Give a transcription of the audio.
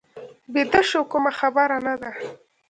بیده شو، کومه خبره نه ده.